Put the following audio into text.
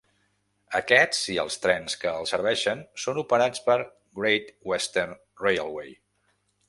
Aquest i els trens que el serveixen, són operats per Great Western Railway.